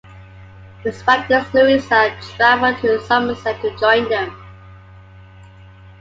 Despite this Louisa travelled to Somerset to join them.